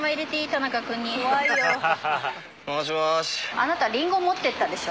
あなたリンゴ持ってったでしょ？